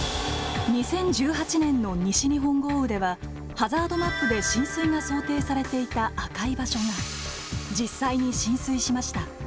２０１８年の西日本豪雨では、ハザードマップで浸水が想定されていた赤い場所が実際に浸水しました。